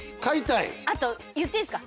あと言っていいですか？